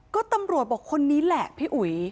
ก็ตำรวจบอกคนนี้แหละพี่อุ๋ย